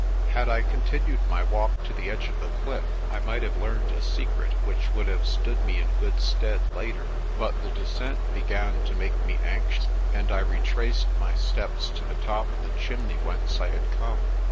Had I continued my walk to the edge of the cliff, I might have learned a secret which would have stood me in good stead later. But the descent began to make me anxious, 64 PRESTER JOHN and I retraced my steps to the top of the chimney whence I had come.